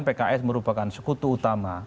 pks merupakan sekutu utama